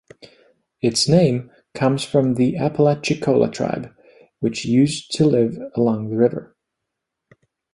Its name comes from the Apalachicola tribe, which used to live along the river.